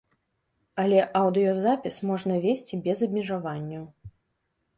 Але аўдыёзапіс можна весці без абмежаванняў.